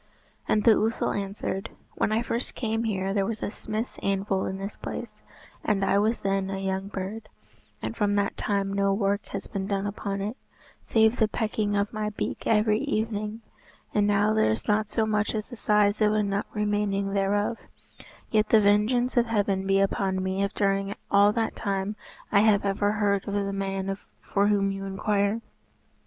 And the ousel answered, "When I first came here there was a smith's anvil in this place, and I was then a young bird, and from that time no work has been done upon it, save the pecking of my beak every evening, and now there is not so much as the size of a nut remaining thereof; yet the vengeance of Heaven be upon me if during all that time I have ever heard of the man for whom you inquire.